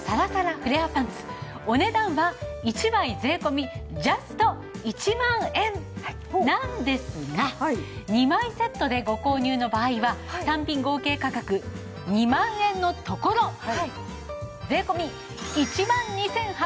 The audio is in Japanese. フレアパンツお値段は１枚税込ジャスト１万円なんですが２枚セットでご購入の場合は単品合計価格２万円のところ税込１万２８００円です。